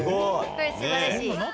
これ素晴らしい。